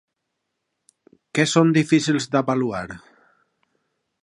Què són difícils d'avaluar?